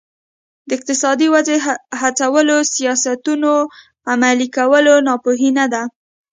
د اقتصادي ودې هڅولو سیاستونه عملي کول ناپوهي نه ده.